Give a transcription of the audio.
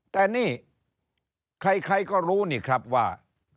แต่นี่ใครก็รู้นี่ครับว่า